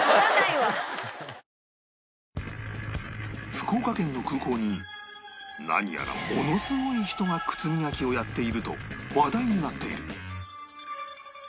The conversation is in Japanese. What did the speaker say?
福岡県の空港に何やらものすごい人が靴磨きをやっていると話題になっている